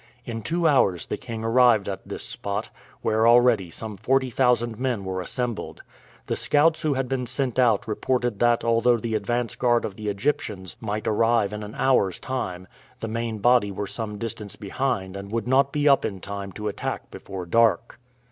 In two hours the king arrived at this spot, where already some forty thousand men were assembled. The scouts who had been sent out reported that although the advance guard of the Egyptians might arrive in an hour's time, the main body were some distance behind and would not be up in time to attack before dark.